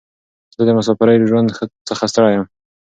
زه د مساپرۍ ژوند څخه ستړی یم.